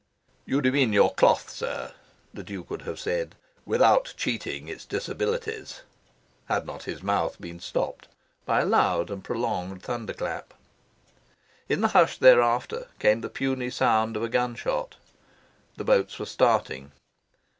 "You demean your cloth, sir," the Duke would have said, "without cheating its disabilities," had not his mouth been stopped by a loud and prolonged thunder clap. In the hush thereafter, came the puny sound of a gunshot. The boats were starting.